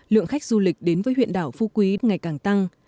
lượng khách du lịch đến với huyện đảo phu quý ngày càng tăng